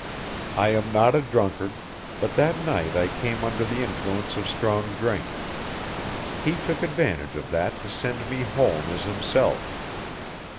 I am not a drunkard, but that night I came under the influence of strong drink. He took advantage of that to send me home as himself.